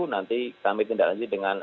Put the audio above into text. nanti kami tindakan dengan